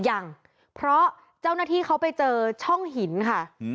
ยังเพราะเจ้าหน้าที่เขาไปเจอช่องหินค่ะ